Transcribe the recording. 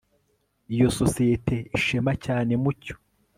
iyo sosiyete ishema cyane mucyo